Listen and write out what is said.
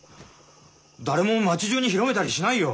誰も町じゅうに広めたりしないよ。